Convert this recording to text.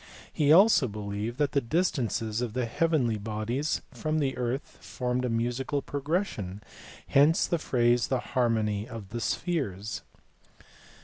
He also believed that the distances of the heavenly bodies from the earth formed a musical progression: hence the phrase "the harmony of the spheres."